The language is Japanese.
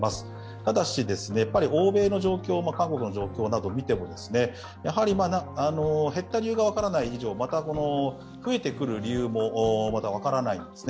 ただし、欧米の過去の状況を見ても減った理由が分からない以上、増えてくる理由も分からないんですね。